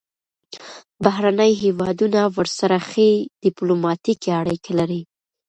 بهرني هیوادونه ورسره ښې ډیپلوماتیکې اړیکې لري.